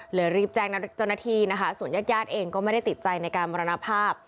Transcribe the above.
เหลือรีบแจ้งนัดจนนาทีส่วนญาติยาดเองก็ไม่ได้ติดใจในการมรณภาพ